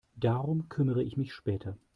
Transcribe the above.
Darum kümmere ich mich später.